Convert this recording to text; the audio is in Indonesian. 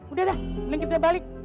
udah dah mending kita balik